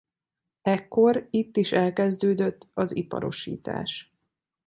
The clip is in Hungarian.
Ekkor itt is elkezdődött az iparosítás.